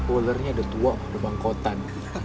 ularnya udah tua udah bangkotan